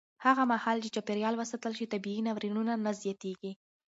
هغه مهال چې چاپېریال وساتل شي، طبیعي ناورینونه نه زیاتېږي.